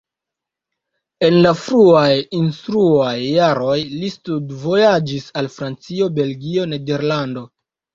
En la fruaj instruaj jaroj li studvojaĝis al Francio, Belgio, Nederlando.